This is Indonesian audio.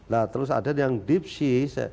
nah terus ada yang diepsi